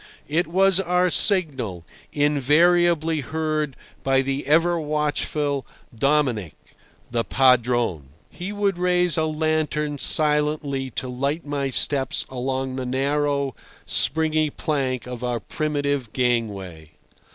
It was our signal, invariably heard by the ever watchful Dominic, the padrone. He would raise a lantern silently to light my steps along the narrow, springy plank of our primitive gangway.